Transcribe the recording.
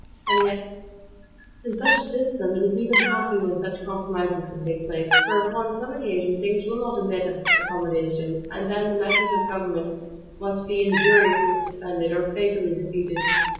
And yet, in such a system, it is even happy when such compromises can take place: for upon some occasions things will not admit of accommodation; and then the measures of government must be injuriously suspended, or fatally defeated.